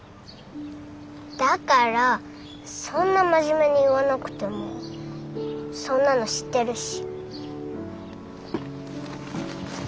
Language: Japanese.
だからそんな真面目に言わなくてもそんなの知ってるし。